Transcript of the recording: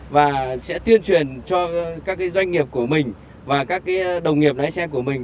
và sẽ tiên truyền cho các cái doanh nghiệp của mình và các cái đồng nghiệp lái xe của mình